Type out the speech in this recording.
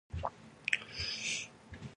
The current president is Andrew M. T. Moore.